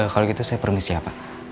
kalau gitu saya permisi ya pak